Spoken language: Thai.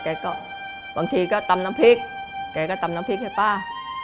แกก็บางทีก็ตำน้ำพริกแกก็ตำน้ำพริกให้ป้า